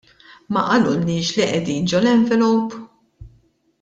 Ma qalulniex li qegħdin ġol-envelope?